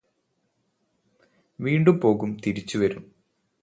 വീണ്ടും പോകും തിരിച്ചു വരും